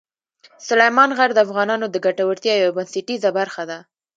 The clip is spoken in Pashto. سلیمان غر د افغانانو د ګټورتیا یوه بنسټیزه برخه ده.